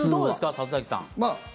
里崎さん。